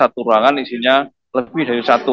turunan isinya lebih dari satu